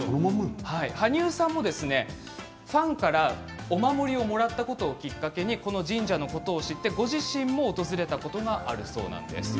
羽生さんもファンからお守りをもらったことをきっかけにこの神社のことを知ってご自身も訪れたことがあるそうなんです。